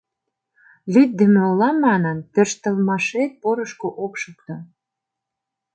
Лӱддымӧ улам манын тӧрштылмашет порышко ок шукто.